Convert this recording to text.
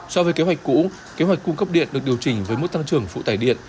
so với kế hoạch cũ kế hoạch cung cấp điện được điều chỉnh với mức tăng trưởng phụ tải điện